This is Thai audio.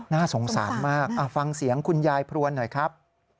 น่าสงสารมากฟังเสียงคุณยายพรวนหน่อยครับ